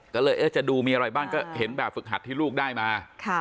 ก็เลยจะดูมีอะไรบ้างก็เห็นแบบฝึกหัดที่ลูกได้มา